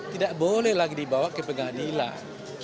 tidak boleh lagi dibawa ke pengadilan